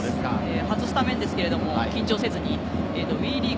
初スタメンですが緊張せずにＷＥリーグ